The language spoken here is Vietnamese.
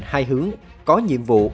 hai hướng có nhiệm vụ